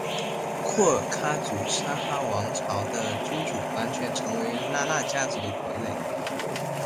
廓尔喀族沙阿王朝的君主完全成为拉纳家族的傀儡。